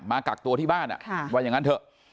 กักตัวที่บ้านว่าอย่างนั้นเถอะ